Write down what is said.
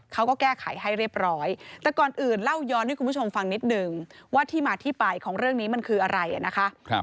เขาก็แก้ไขให้เรียบร้อยแต่ก่อนอื่นเล่าย้อนให้คุณผู้ชมฟังนิดนึงว่าที่มาที่ไปของเรื่องนี้มันคืออะไรนะคะ